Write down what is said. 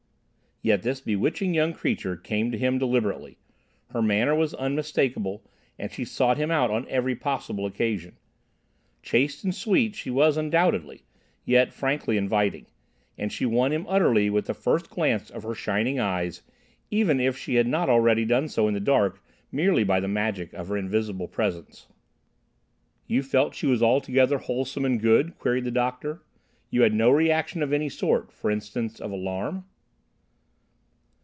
Yet this bewitching young creature came to him deliberately. Her manner was unmistakable, and she sought him out on every possible occasion. Chaste and sweet she was undoubtedly, yet frankly inviting; and she won him utterly with the first glance of her shining eyes, even if she had not already done so in the dark merely by the magic of her invisible presence. "You felt she was altogether wholesome and good!" queried the doctor. "You had no reaction of any sort—for instance, of alarm?"